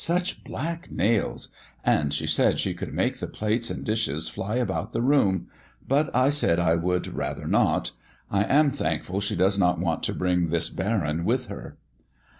Such black nails, and she said she could make the plates and dishes fly about the room, but I said I would rather not. I am thankful she does not want to bring this baron with her."